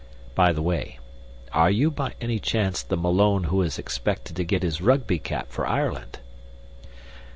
By the way, are you by any chance the Malone who is expected to get his Rugby cap for Ireland?"